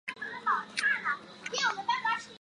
因此在父亲在位期间没有被册封为公主。